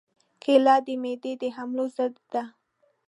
کېله د معدې د حملو ضد ده.